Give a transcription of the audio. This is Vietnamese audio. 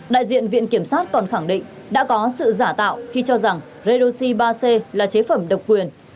đại diện viện kiểm sát còn khẳng định đã có sự giả tạo khi cho rằng redoxi ba c là chế phẩm độc quyền